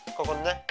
ここでね。